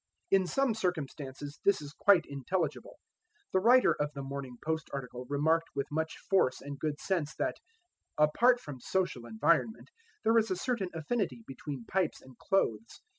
In some circumstances this is quite intelligible. The writer of the Morning Post article remarked with much force and good sense that "Apart from social environment, there is a certain affinity between pipes and clothes.